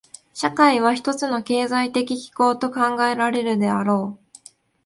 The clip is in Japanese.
社会は一つの経済的機構と考えられるであろう。